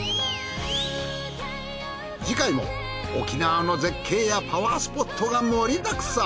次回も沖縄の絶景やパワースポットが盛りだくさん。